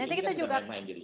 nah nanti kita juga